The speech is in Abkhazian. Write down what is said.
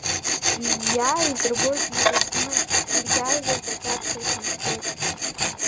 Изиааиз ргоит иӷәыхны, ириааиуа аҿаԥхьа иқамсоит.